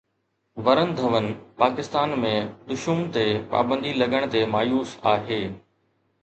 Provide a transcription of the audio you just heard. ورن ڌون پاڪستان ۾ دشوم تي پابندي لڳڻ تي مايوس آهي